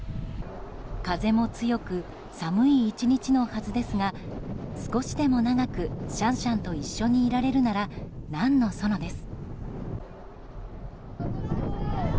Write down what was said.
風も強く寒い１日のはずですが少しでも長くシャンシャンと一緒にいられるなら何のそのです。